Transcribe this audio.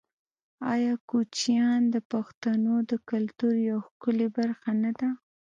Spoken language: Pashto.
آیا کوچیان د پښتنو د کلتور یوه ښکلې برخه نه ده؟